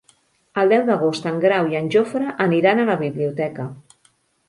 El deu d'agost en Grau i en Jofre aniran a la biblioteca.